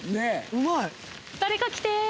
うまい！